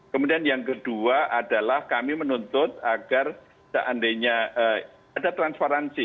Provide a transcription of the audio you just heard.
kemudian yang kedua adalah kami menuntut agar seandainya ada transparansi